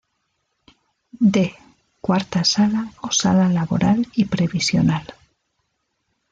D.- Cuarta Sala o Sala Laboral y Previsional.